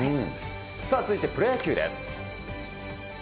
さあ、続いてプロ野球です。